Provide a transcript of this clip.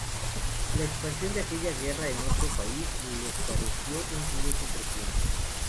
La expansión de aquella guerra en otro país les pareció un riesgo creciente.